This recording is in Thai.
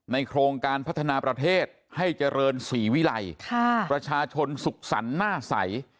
โครงการพัฒนาประเทศให้เจริญศรีวิลัยประชาชนสุขสรรค์หน้าใส